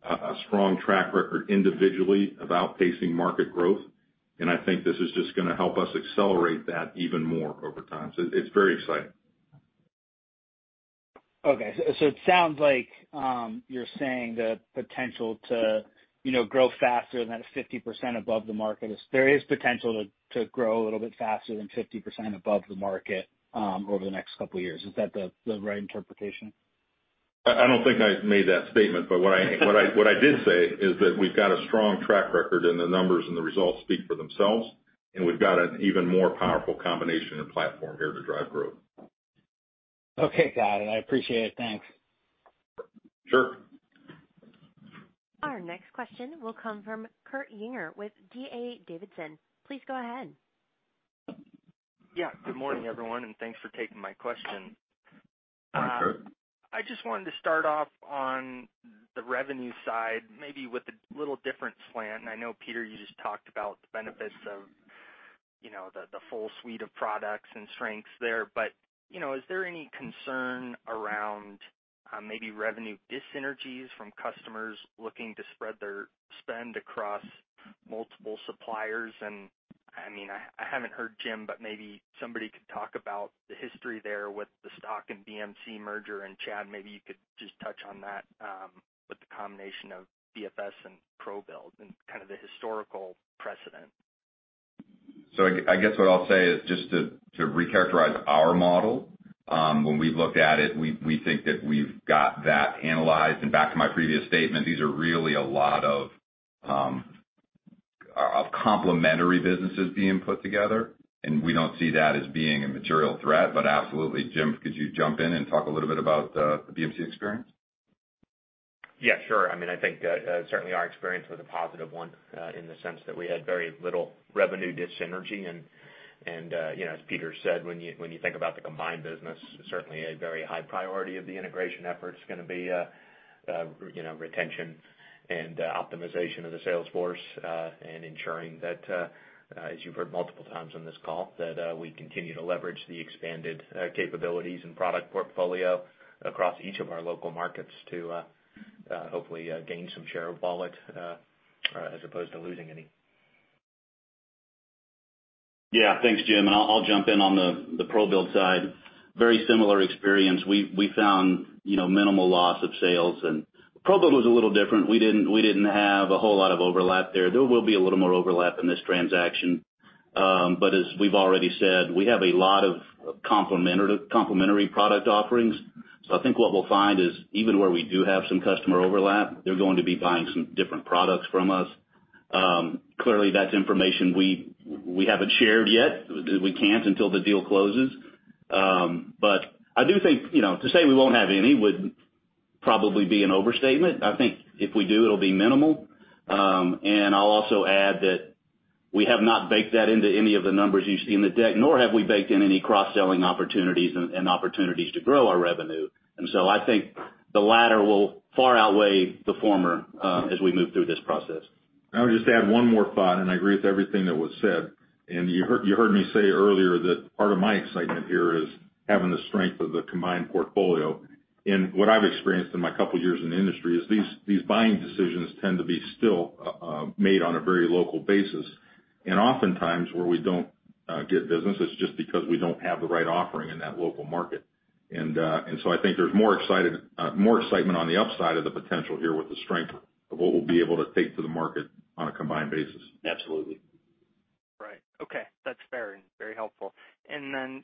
a strong track record individually of outpacing market growth. I think this is just going to help us accelerate that even more over time. It's very exciting. Okay. It sounds like you're saying there is potential to grow a little bit faster than 50% above the market over the next couple of years. Is that the right interpretation? I don't think I made that statement, but what I did say is that we've got a strong track record, and the numbers and the results speak for themselves, and we've got an even more powerful combination and platform here to drive growth. Okay. Got it. I appreciate it. Thanks. Sure. Our next question will come from Kurt Yinger with D.A. Davidson. Please go ahead. Good morning, everyone, and thanks for taking my question. Hi, Kurt. I just wanted to start off on the revenue side, maybe with a little different slant. I know, Peter, you just talked about the benefits of the full suite of products and strengths there. Is there any concern around maybe revenue dyssynergies from customers looking to spread their spend across multiple suppliers? I haven't heard Jim, but maybe somebody could talk about the history there with the Stock and BMC merger, and Chad, maybe you could just touch on that with the combination of BFS and ProBuild and kind of the historical precedent. I guess what I'll say is just to recharacterize our model. When we've looked at it, we think that we've got that analyzed. Back to my previous statement, these are really a lot of Of complementary businesses being put together, and we don't see that as being a material threat. Absolutely. Jim, could you jump in and talk a little bit about the BMC experience? Yeah, sure. I think certainly our experience was a positive one in the sense that we had very little revenue dyssynergy and as Peter said, when you think about the combined business, certainly a very high priority of the integration effort's going to be retention and optimization of the sales force and ensuring that, as you've heard multiple times on this call, that we continue to leverage the expanded capabilities and product portfolio across each of our local markets to hopefully gain some share of wallet as opposed to losing any. Thanks, Jim. I'll jump in on the ProBuild side. Very similar experience. We found minimal loss of sales. ProBuild was a little different. We didn't have a whole lot of overlap there. There will be a little more overlap in this transaction. As we've already said, we have a lot of complementary product offerings. I think what we'll find is even where we do have some customer overlap, they're going to be buying some different products from us. Clearly, that's information we haven't shared yet. We can't until the deal closes. I do think to say we won't have any would probably be an overstatement. I think if we do, it'll be minimal. I'll also add that we have not baked that into any of the numbers you see in the deck, nor have we baked in any cross-selling opportunities and opportunities to grow our revenue. I think the latter will far outweigh the former as we move through this process. I would just add one more thought, and I agree with everything that was said. You heard me say earlier that part of my excitement here is having the strength of the combined portfolio. What I've experienced in my couple years in the industry is these buying decisions tend to be still made on a very local basis. Oftentimes where we don't get business, it's just because we don't have the right offering in that local market. I think there's more excitement on the upside of the potential here with the strength of what we'll be able to take to the market on a combined basis. Absolutely. Right. Okay. That's fair and very helpful.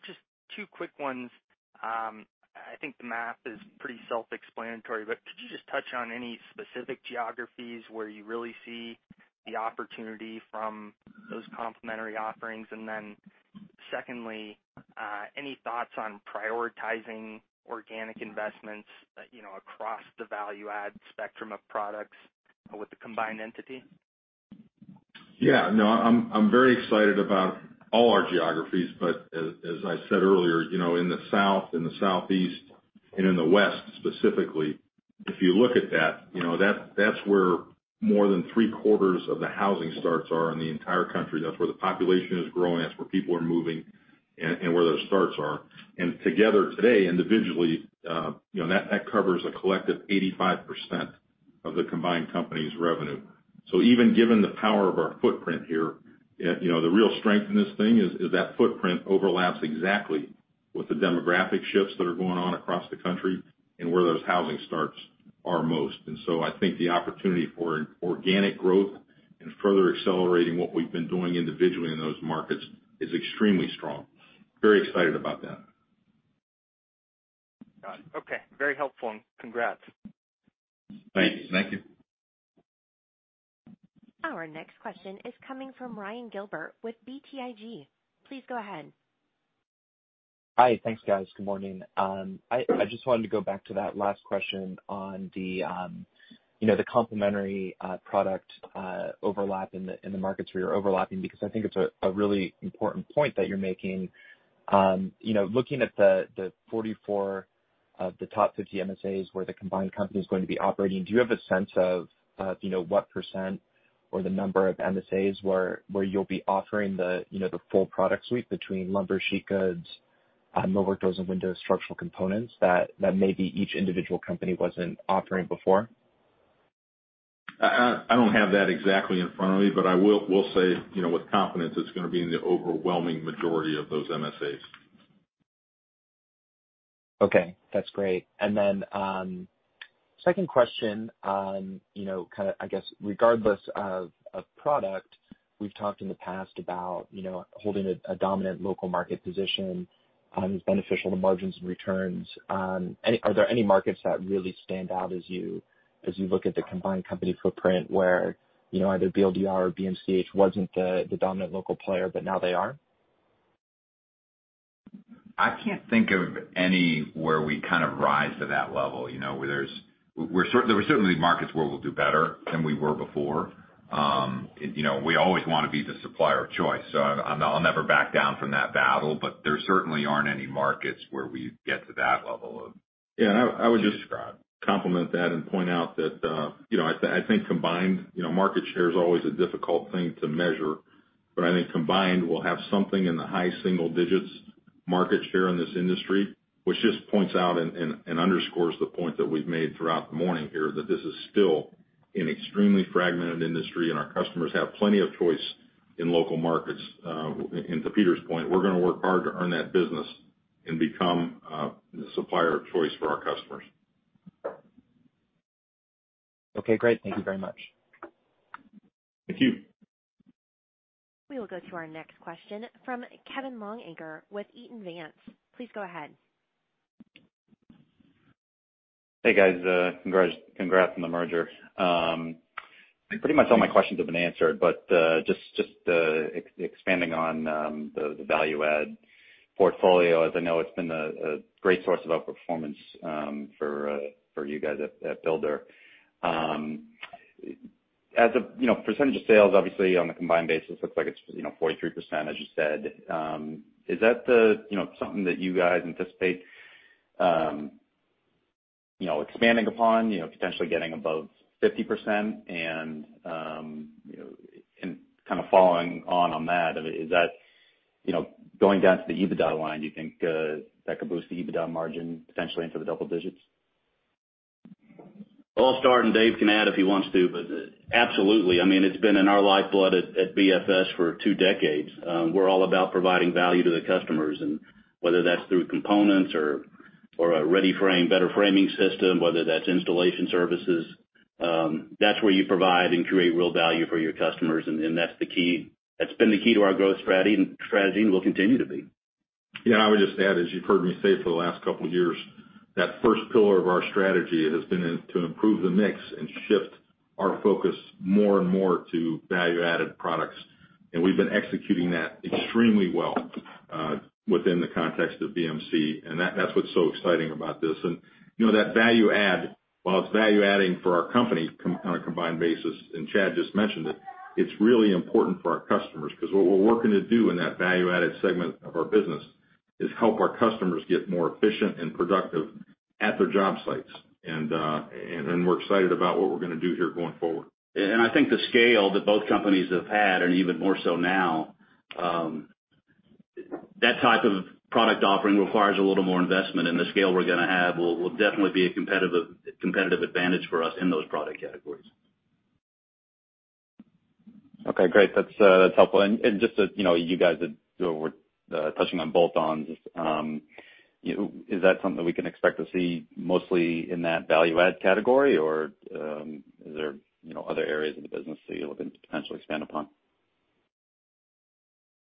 Just two quick ones. I think the map is pretty self-explanatory, but could you just touch on any specific geographies where you really see the opportunity from those complementary offerings? Secondly, any thoughts on prioritizing organic investments across the value add spectrum of products with the combined entity? I'm very excited about all our geographies. As I said earlier, in the South, in the Southeast, and in the West specifically, if you look at that's where more than three-quarters of the housing starts are in the entire country. That's where the population is growing, that's where people are moving, and where those starts are. Together today, individually, that covers a collective 85% of the combined company's revenue. Even given the power of our footprint here, the real strength in this thing is that footprint overlaps exactly with the demographic shifts that are going on across the country and where those housing starts are most. I think the opportunity for organic growth and further accelerating what we've been doing individually in those markets is extremely strong. Very excited about that. Got it. Okay. Very helpful, and congrats. Thanks. Thank you. Our next question is coming from Ryan Gilbert with BTIG. Please go ahead. Hi. Thanks, guys. Good morning. I just wanted to go back to that last question on the complementary product overlap in the markets where you're overlapping, because I think it's a really important point that you're making. Looking at the 44 of the top 50 MSAs where the combined company is going to be operating, do you have a sense of what percent or the number of MSAs where you'll be offering the full product suite between lumber, sheet goods, millwork, doors, and windows, structural components, that maybe each individual company wasn't offering before? I don't have that exactly in front of me, but I will say with confidence it's going to be in the overwhelming majority of those MSAs. Okay, that's great. Second question, I guess regardless of product, we've talked in the past about holding a dominant local market position is beneficial to margins and returns. Are there any markets that really stand out as you look at the combined company footprint where either BLDR or BMCH wasn't the dominant local player, but now they are? I can't think of any where we kind of rise to that level. There are certainly markets where we'll do better than we were before. We always want to be the supplier of choice. I'll never back down from that battle. There certainly aren't any markets where we get to that level. Yeah, I would just complement that and point out that I think combined market share is always a difficult thing to measure. I think combined, we'll have something in the high single digits market share in this industry, which just points out and underscores the point that we've made throughout the morning here, that this is still an extremely fragmented industry, and our customers have plenty of choice in local markets. To Peter's point, we're going to work hard to earn that business and become the supplier of choice for our customers. Okay, great. Thank you very much. Thank you. We will go to our next question from Kevin Longacre with Eaton Vance. Please go ahead. Hey guys, congrats on the merger. Pretty much all my questions have been answered, but just expanding on the value-add portfolio, as I know it's been a great source of outperformance for you guys at Builders FirstSource. As a percentage of sales, obviously, on a combined basis, looks like it's 43%, as you said. Is that something that you guys anticipate expanding upon, potentially getting above 50%? Kind of following on that, going down to the EBITDA line, do you think that could boost the EBITDA margin potentially into the double digits? I'll start, and Dave can add if he wants to, but absolutely. It's been in our lifeblood at BFS for two decades. We're all about providing value to the customers, and whether that's through components or a READY-FRAME, Better Framing System, whether that's installation services, that's where you provide and create real value for your customers, and that's been the key to our growth strategy, and will continue to be. Yeah, I would just add, as you've heard me say for the last couple of years, that first pillar of our strategy has been to improve the mix and shift our focus more and more to value-added products. We've been executing that extremely well within the context of BMC, and that's what's so exciting about this. That value add, while it's value-adding for our company on a combined basis, and Chad just mentioned it's really important for our customers, because what we're working to do in that value-added segment of our business is help our customers get more efficient and productive at their job sites. We're excited about what we're going to do here going forward. I think the scale that both companies have had, and even more so now, that type of product offering requires a little more investment, and the scale we're going to have will definitely be a competitive advantage for us in those product categories. Okay, great. That's helpful. Just as you guys were touching on bolt-ons, is that something we can expect to see mostly in that value add category, or is there other areas of the business that you're looking to potentially expand upon?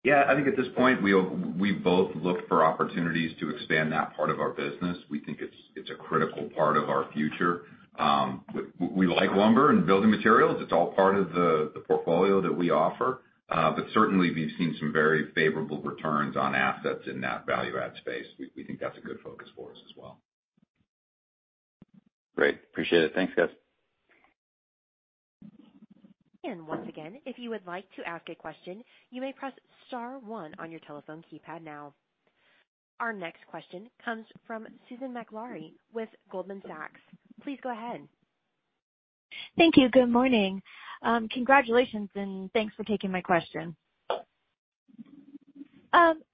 Yeah, I think at this point, we both look for opportunities to expand that part of our business. We think it's a critical part of our future. We like lumber and building materials. It's all part of the portfolio that we offer. Certainly, we've seen some very favorable returns on assets in that value add space. We think that's a good focus for us as well. Great. Appreciate it. Thanks, guys. Once again, if you would like to ask a question, you may press star one on your telephone keypad now. Our next question comes from Susan Maklari with Goldman Sachs. Please go ahead. Thank you. Good morning. Congratulations, and thanks for taking my question.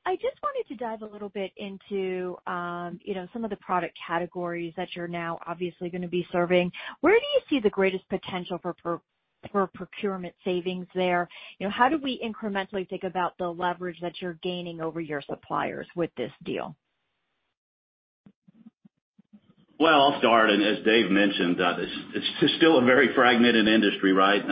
I just wanted to dive a little bit into some of the product categories that you're now obviously going to be serving. Where do you see the greatest potential for procurement savings there? How do we incrementally think about the leverage that you're gaining over your suppliers with this deal? Well, I'll start. As Dave mentioned, it's still a very fragmented industry, right?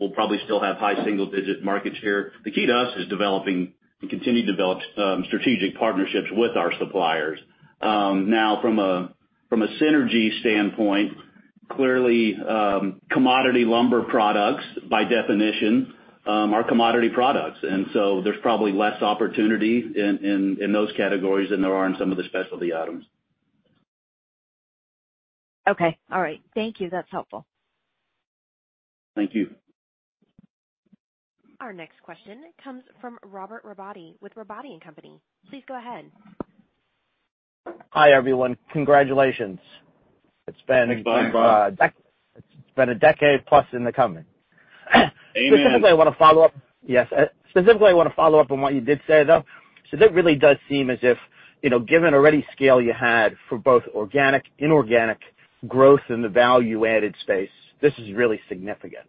We'll probably still have high single digit market share. The key to us is developing and continue to develop strategic partnerships with our suppliers. Now, from a synergy standpoint, clearly commodity lumber products, by definition, are commodity products. There's probably less opportunity in those categories than there are in some of the specialty items. Okay. All right. Thank you. That's helpful. Thank you. Our next question comes from Robert Robotti with Robotti & Company. Please go ahead. Hi, everyone. Congratulations. Thanks, Bob. It's been a decade plus in the coming. Amen. Specifically, I want to follow up on what you did say, though. That really does seem as if, given already scale you had for both organic, inorganic growth in the value-added space, this is really significant,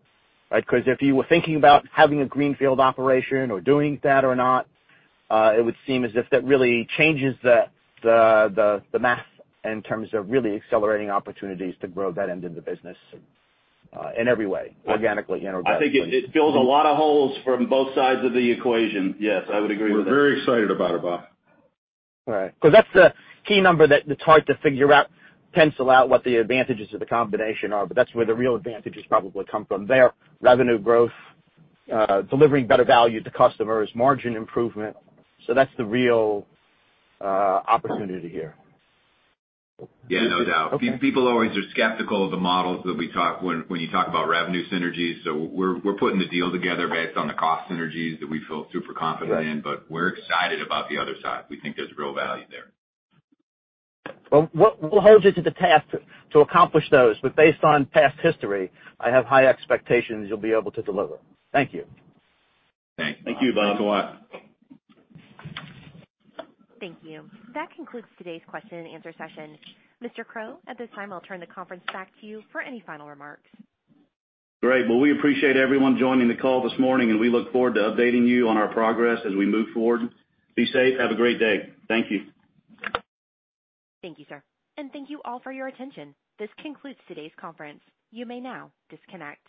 right? Because if you were thinking about having a greenfield operation or doing that or not, it would seem as if that really changes the math in terms of really accelerating opportunities to grow that end of the business in every way, organically, inorganically. I think it fills a lot of holes from both sides of the equation. Yes, I would agree with that. We're very excited about it, Bob. All right. Because that's the key number that it's hard to figure out, pencil out what the advantages of the combination are, but that's where the real advantages probably come from there. Revenue growth, delivering better value to customers, margin improvement. That's the real opportunity here. Yeah, no doubt. Okay. People always are skeptical of the models when you talk about revenue synergies. We're putting the deal together based on the cost synergies that we feel super confident in. Right We're excited about the other side. We think there's real value there. Well, we'll hold you to the task to accomplish those. Based on past history, I have high expectations you'll be able to deliver. Thank you. Thanks. Thank you, Bob. Thanks a lot. Thank you. That concludes today's question and answer session. Mr. Crow, at this time, I'll turn the conference back to you for any final remarks. Great. Well, we appreciate everyone joining the call this morning, and we look forward to updating you on our progress as we move forward. Be safe. Have a great day. Thank you. Thank you, sir. Thank you all for your attention. This concludes today's conference. You may now disconnect.